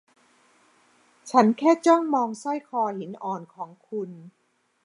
ฉันแค่จ้องมองสร้อยคอหินอ่อนของคุณ